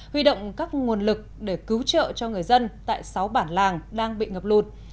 huy động các nguồn lực để cứu trợ cho người dân tại sáu bản làng đang bị ngập lụt